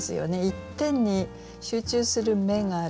一点に集中する目がある。